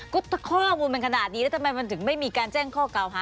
ก็ถ้าข้อมูลมันขนาดนี้แล้วทำไมมันถึงไม่มีการแจ้งข้อเก่าหา